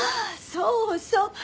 そうそう。